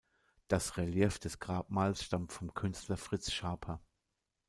Das Relief des Grabmals stammt vom Künstler Fritz Schaper.